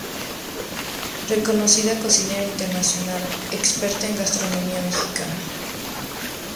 Reconocida cocinera internacional, experta en gastronomía mexicana.